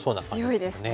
強いですね。